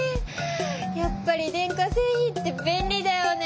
やっぱり電化せいひんって便利だよね。